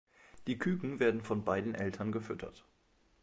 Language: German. Die Küken werden von beiden Eltern gefüttert.